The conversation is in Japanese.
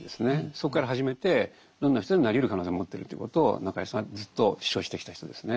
そこから始めてどんな人でもなりうる可能性持ってるということを中井さんはずっと主張してきた人ですね。